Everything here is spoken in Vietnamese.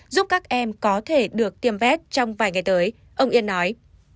giúp các em có thể được tiêm vét trong vài ngày tới ông yên nói